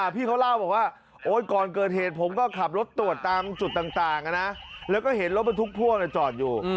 พี่เขาเล่าบอกว่าก่อนเกิดเหตุผมก็ขับรถตรวจตามจุดต่างนะแล้วก็เห็นรถบรรทุกพ่วงจอดอยู่